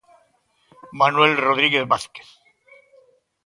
Manuel Rodríguez Vázquez.